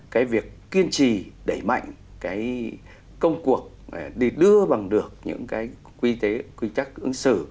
cái việc kiên trì đẩy mạnh công cuộc để đưa bằng được những quy tắc ứng xử